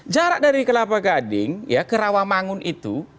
jarak dari kelapa gading ya ke rawamangun itu